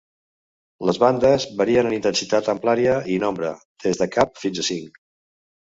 Les bandes varien en intensitat, amplària i nombre, des de cap fins a cinc.